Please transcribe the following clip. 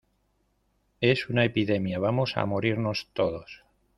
es una epidemia, vamos a morirnos todos.